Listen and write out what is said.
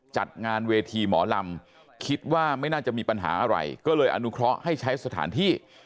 จัดงานเวทีหมอลำคิดว่าไม่น่าจะมีปัญหาอะไรก็เลยอนุเคราะห์ให้ใช้สถานที่